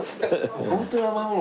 ホントに甘いもの